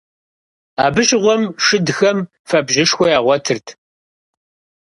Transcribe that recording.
Абы щыгъуэм шыдхэм фэбжьышхуэ ягъуэтырт.